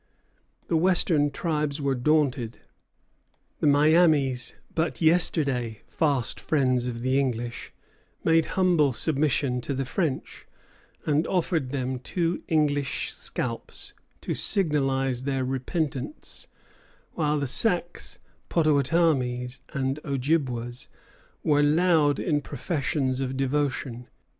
The Western tribes were daunted. The Miamis, but yesterday fast friends of the English, made humble submission to the French, and offered them two English scalps to signalize their repentance; while the Sacs, Pottawattamies, and Ojibwas were loud in professions of devotion.